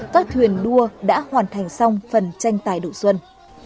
các thuyền đua đã hoàn thành xong phần tranh tài đủ xuân